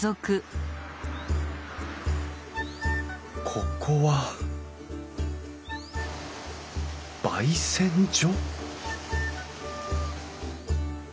ここは焙煎所？